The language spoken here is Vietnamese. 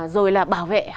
rồi là bảo vệ